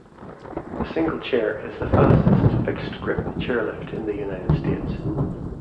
The Single Chair is the fastest fixed-grip chairlift in the United States.